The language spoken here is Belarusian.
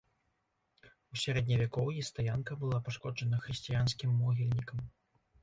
У сярэдневякоўі стаянка была пашкоджана хрысціянскім могільнікам.